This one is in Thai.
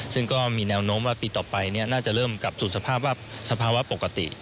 ซึ่งก็มีแนวโน้มว่าปีต่อไปน่าจะเริ่มกลับสู่สภาวะปกติ